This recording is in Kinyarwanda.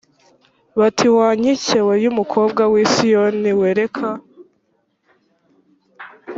bati wa nkike y umukobwa w i siyoni we reka